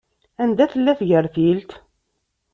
Anda tella tgertilt?